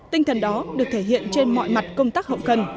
tinh thần đó được thể hiện trên mọi mặt công tác hậu cần